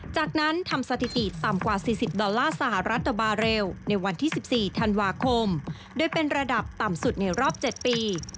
จากนั้นทำสถิติต่ำกว่า๔๐ดอลลาร์สหรัฐบาเรลในวันที่๑๔ธันวาคมโดยเป็นระดับต่ำสุดในรอบ๗ปี